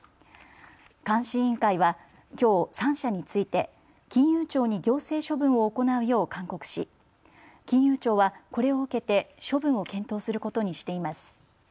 監視委員会はきょう３社について金融庁に行政処分を行うよう勧告し金融庁はこれを受けて処分を検討することにしています。